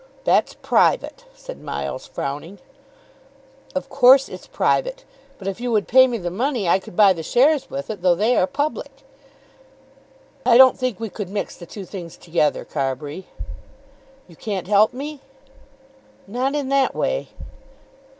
"That's private," said Miles frowning. "Of course it's private; but if you would pay me the money I could buy the shares with it, though they are public." "I don't think we could mix the two things together, Carbury." "You can't help me?" "Not in that way."